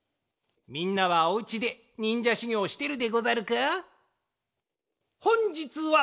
みんなはおうちでにんじゃしゅぎょうしてるでござるか？